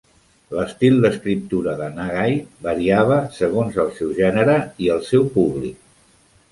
L'estil d'escriptura de Nagai variava segons el seu gènere i el seu públic